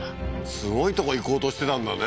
すごいとこ行こうとしてたんだね